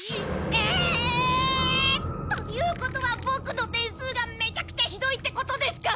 え！？ということはボクの点数がめちゃくちゃひどいってことですか？